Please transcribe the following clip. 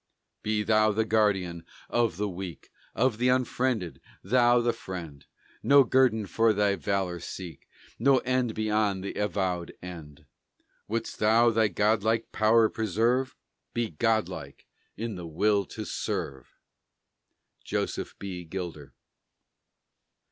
Be thou the guardian of the weak, Of the unfriended, thou the friend; No guerdon for thy valor seek, No end beyond the avowèd end. Wouldst thou thy godlike power preserve, Be godlike in the will to serve! JOSEPH B. GILDER.